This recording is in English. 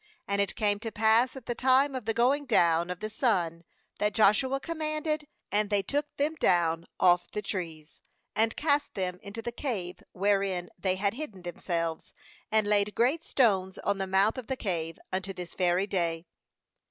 27And it came to pass at the time of the going down of the sun, that Joshua commanded, and they took them down off the trees, and cast them into the cave wherein they had hidden themselves, and laid great stones on the mouth of the cave, unto this very day.